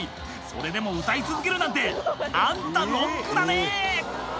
それでも歌い続けるなんてあんたロックだね